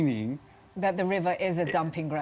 sungai adalah tempat penumpang